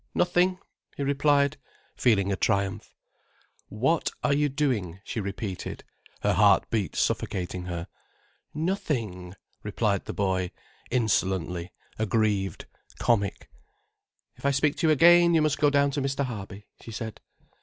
"Nothing," he replied, feeling a triumph. "What are you doing?" she repeated, her heart beat suffocating her. "Nothing," replied the boy, insolently, aggrieved, comic. "If I speak to you again, you must go down to Mr. Harby," she said.